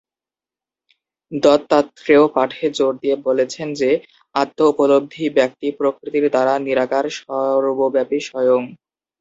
দত্তাত্রেয় পাঠে জোর দিয়ে বলেছেন যে, আত্ম-উপলব্ধি ব্যক্তি "প্রকৃতির দ্বারা, নিরাকার, সর্বব্যাপী স্বয়ং"।